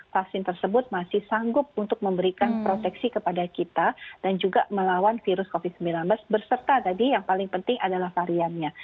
vaksin tersebut masih sanggup untuk memberikan proteksi kepada kita dan juga melawan virus covid sembilan belas berserta tadi yang paling penting adalah variannya